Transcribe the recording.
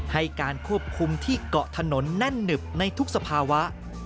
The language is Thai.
ให้การควบคุมที่เกาะถนนแน่นหนึบในทุกสภาวะ